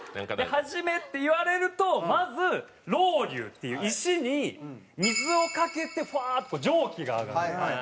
「はじめ」って言われるとまずロウリュっていう石に水をかけてホワーッと蒸気が上がるんですよ。